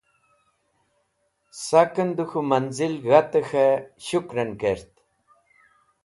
Saken de K̃hu Manzil G̃hate K̃he Shukren Kert